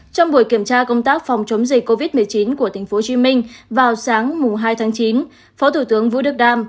trong buổi kiểm tra công tác phòng chống dịch covid một mươi chín của tp hcm vào sáng hai tháng chín phó thủ tướng vũ đức đam